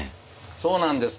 そうなんです